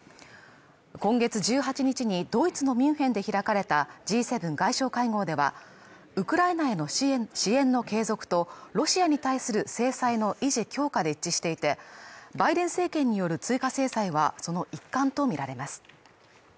今月１８日にドイツのミュンヘンで開かれたＧ７外相会合ではウクライナへの支援の継続とロシアに対する制裁の維持強化で一致していてバイデン政権による追加制裁はその一環と見られます